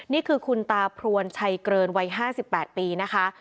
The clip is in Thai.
นี่คือคุณตาพรวนชัยเกินวัย๕๘ปีนะคะ